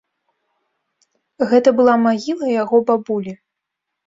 Гэта была магіла яго бабулі.